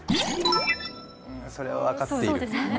うう、それは分かっている。